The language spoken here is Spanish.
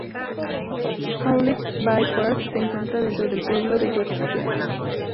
Hewlett Bay Park se encuentra dentro del pueblo de Hempstead.